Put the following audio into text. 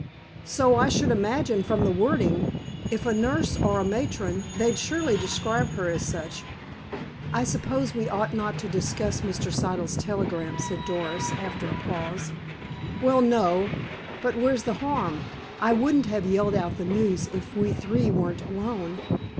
"So I should imagine, from the wording. If a nurse, or a matron, they'd surely describe her as such." "I suppose we ought not to discuss Mr. Siddle's telegram," said Doris, after a pause. "Well, no. But where's the harm? I wouldn't have yelled out the news if we three weren't alone.